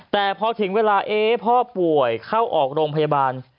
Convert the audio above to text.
แต่พอถึงเวลาเอ๊พ่อป่วยเข้าออกโรงพยาบาล